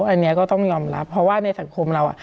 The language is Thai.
อันนี้ก็ต้องยอมรับเพราะว่าในสังคมเรา